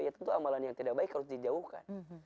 ya tentu amalan yang tidak baik harus dijauhkan